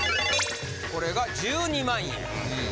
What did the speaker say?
これが１２万円。